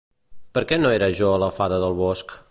Però que no era jo la fada del bosc?